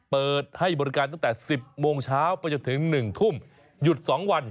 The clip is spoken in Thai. เปิดให้บริการตั้งแต่๑๐โมงเช้าไปจนถึง๑ทุ่มหยุด๒วัน